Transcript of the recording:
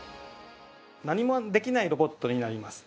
何もできないロボットになります。